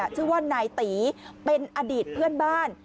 ชื่อว่านายตีเป็นอดีตเพื่อนบ้าน